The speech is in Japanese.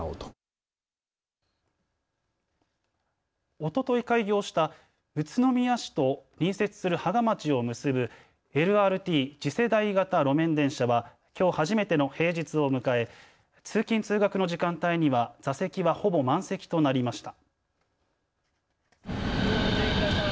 おととい開業した宇都宮市と隣接する芳賀町を結ぶＬＲＴ、次世代型路面電車はきょう初めての平日を迎え通勤通学の時間帯には座席はほぼ満席となりました。